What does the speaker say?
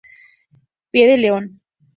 Pie de León.